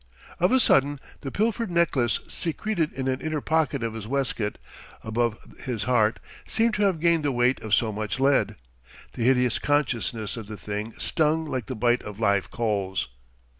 Of a sudden the pilfered necklace secreted in an inner pocket of his waistcoat, above his heart, seemed to have gained the weight of so much lead. The hideous consciousness of the thing stung like the bite of live coals.